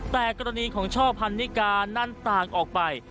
แต่กรณีของช่อพันนิกานั้นต่างออกไป